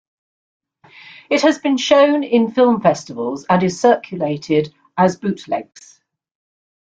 It has been shown in film-festivals and is circulated as Bootlegs.